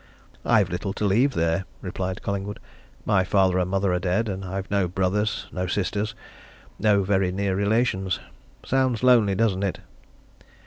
"I've little to leave there," replied Collingwood. "My father and mother are dead, and I've no brothers, no sisters no very near relations. Sounds lonely, doesn't it?"